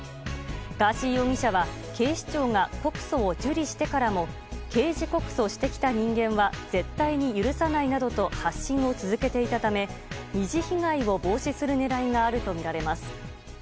ガーシー容疑者は警視庁が告訴を受理してからも刑事告訴してきた人間は絶対に許さないなどと発信を続けていたため二次被害を防止する狙いがあるとみられます。